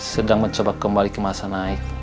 sedang mencoba kembali ke masa naik